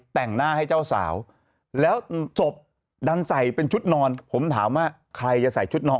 แต่งหน้าให้เจ้าสาวแล้วศพดันใส่เป็นชุดนอนผมถามว่าใครจะใส่ชุดนอน